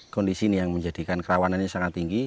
kondisi ini yang menjadikan kerawanannya sangat tinggi